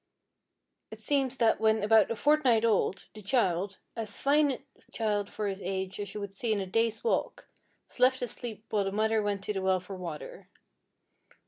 It seems that when about a fortnight old, the child, as fine a child for his age as you would see in a day's walk, was left asleep while the mother went to the well for water.